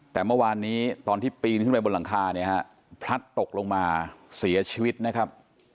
แต่เมื่อวานนี้ตอนที่ปีนขึ้นไปบนหลังคาเนี่ยฮะพลัดตกลงมาเสียชีวิตนะครับ